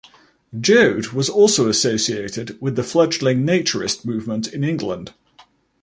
Joad was also associated with the fledgling naturist movement in England.